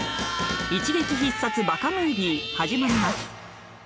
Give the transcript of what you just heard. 『一撃必撮ＢＡＫＡムービー』始まります